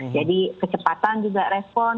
jadi kecepatan juga respon